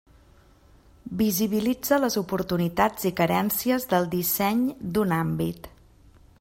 Visibilitza les oportunitats i carències del disseny d'un àmbit.